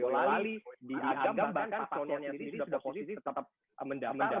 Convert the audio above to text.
faktanya kan memang kita melihat dari tahapan yang kemarin